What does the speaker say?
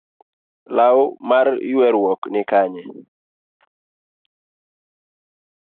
Law mar yueruok ni Kanye?